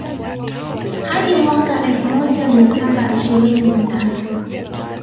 Hadi mwaka wa elfu moja mia saba ishirini na tano